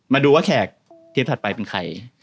มาดูว่าแขกทีมถัดไปเป็นใคร